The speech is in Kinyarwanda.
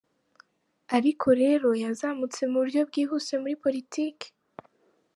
Ariko rero yazamutse ku buryo bwihuse muri politiki.